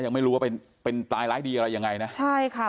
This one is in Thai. ยังไม่รู้ว่าเป็นเป็นตายร้ายดีอะไรยังไงนะใช่ค่ะ